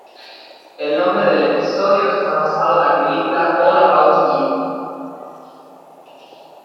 El nombre del episodio está basado en la película "All About Eve".